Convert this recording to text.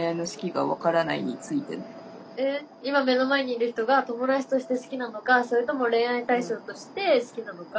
えっ今目の前にいる人が友達として好きなのかそれとも恋愛対象として好きなのか。